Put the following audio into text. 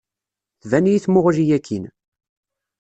Tban-iyi tmuɣli akkin.